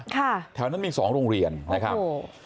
แถวนั้นมีสองโรงเรียนนะครับโอ้